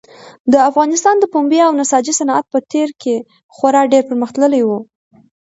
د افغانستان د پنبې او نساجي صنعت په تېر کې خورا ډېر پرمختللی و.